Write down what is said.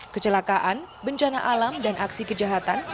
kecelakaan bencana alam dan aksi kejahatan